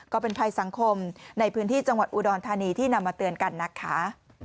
ก็เป็นภัยสังคมในพื้นที่จังหวัดอุดรธานีที่นำมาเตือนกันนะคะ